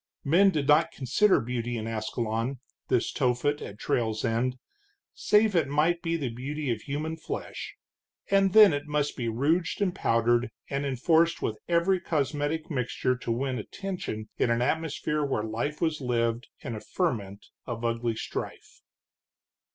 Men did not consider beauty in Ascalon, this Tophet at trail's end, save it might be the beauty of human flesh, and then it must be rouged and powdered, and enforced with every cosmetic mixture to win attention in an atmosphere where life was lived in a ferment of ugly strife.